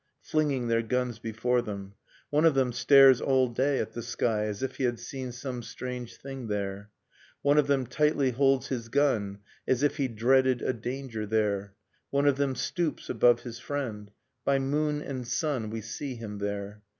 Flinging their guns before them. One of them stares all day at the sky As if he had seen some strange thing there. One of them tightly holds his gun As if he dreaded a danger there, IQIS The Trenches One of them stoops above his friend, By moon and sun we see him there.